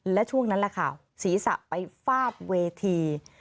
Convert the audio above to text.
และช่วงนั้นแหละค่ะศีรษะไปฟาดเวที